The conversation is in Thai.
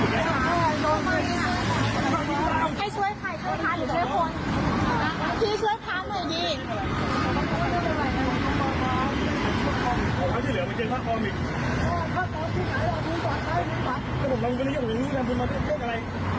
ให้ช่วยใครช่วยพันธุ์หรือช่วยคน